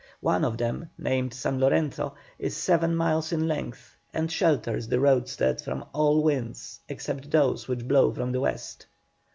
One of them, named San Lorenzo, is seven miles in length, and shelters the roadstead from all winds except those which blow from the west.